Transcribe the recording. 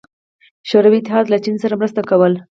شوروي اتحاد له چین سره مرسته کوله.